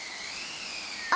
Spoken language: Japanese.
あ！